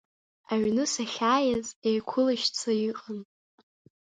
Аҩны сахьааиз еиқәылашьца иҟан.